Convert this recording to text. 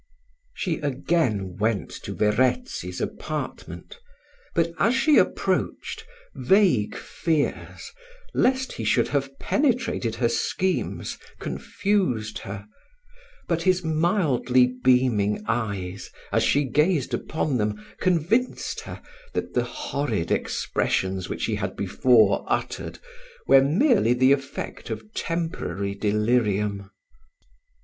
She again went to Verezzi's apartment, but, as she approached, vague fears, lest he should have penetrated her schemes confused her: but his mildly beaming eyes, as she gazed upon them, convinced her, that the horrid expressions which he had before uttered, were merely the effect of temporary delirium.